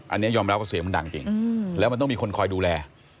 อันนี้ยอมรับว่าเสียงมันดังจริงแล้วมันต้องมีคนคอยดูแล